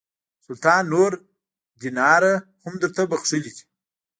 سلطان نور دیناره هم درته بخښلي دي.